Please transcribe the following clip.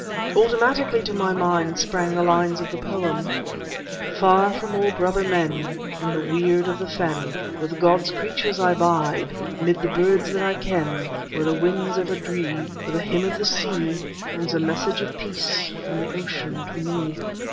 Automatically to my mind sprang the lines of the poem: Far from all brother men, in the weird of the fen, With God's creatures I bide, 'mid the birds that I ken; Where the winds ever dree, where the hymn of the sea Brings a message of peace from the ocean to me.